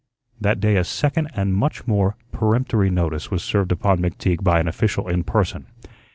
That day a second and much more peremptory notice was served upon McTeague by an official in person.